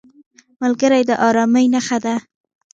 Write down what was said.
ملګری د ارامۍ نښه ده